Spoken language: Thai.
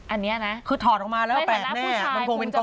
อันเนี้ยนะคือถอดออกมาแล้วแปลกแน่ในฐานะผู้ชายคงจะแบบ